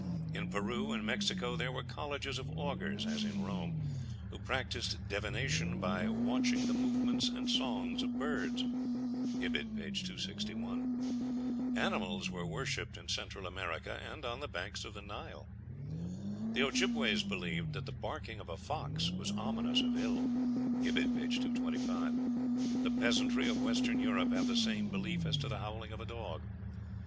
In Peru and Mexico there were colleges of augurs, as in Rome, who practised divination by watching the movements and songs of birds. (Ibid., p. 261.) Animals were worshipped in Central America and on the banks of the Nile. (Ibid., p. 259.) The Ojibbeways believed that the barking of a fox was ominous of ill. (Ibid., p. 225). The peasantry of Western Europe have the same belief as to the howling of a dog.